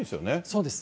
そうです。